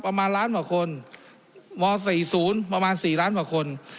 ประมาณล้านบาทคนหมอสี่ศูนย์ประมาณสี่ล้านบาทคน